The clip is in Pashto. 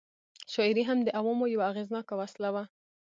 شاعري هم د عوامو یوه اغېزناکه وسله وه.